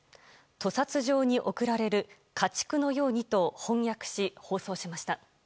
「と殺場に送られる家畜のように」と翻訳し放送しました。